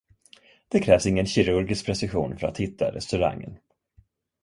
Det krävs ingen kirurgisk precision för att hitta restaurangen.